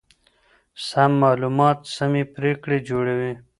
سم معلومات سمې پرېکړې جوړوي.